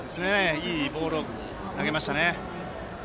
いいボールを投げましたね。